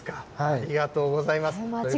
ありがとうございます。